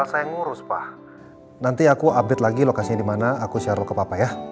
saya ngurus pak nanti aku update lagi lokasinya dimana aku share ke papa ya